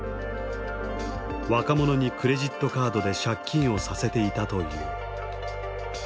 若者にクレジットカードで借金をさせていたという。